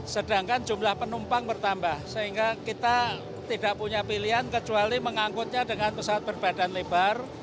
sedangkan jumlah penumpang bertambah sehingga kita tidak punya pilihan kecuali mengangkutnya dengan pesawat berbadan lebar